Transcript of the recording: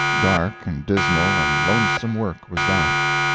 Dark, and dismal, and lonesome work was that!